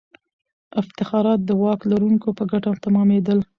افتخارات د واک لرونکو په ګټه تمامېدل.